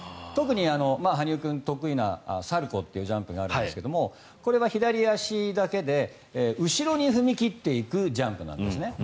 特に羽生君が得意なサルコウというジャンプがあるんですがこれは左足だけで後ろに踏み切っていくジャンプなんです。